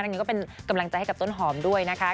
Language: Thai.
อย่างนี้ก็เป็นกำลังใจให้กับต้นหอมด้วยนะคะ